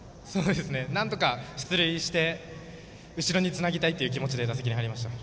なんとか出塁して後ろにつなぎたい気持ちで打席に入りました。